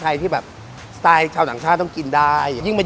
อาหารเนอะ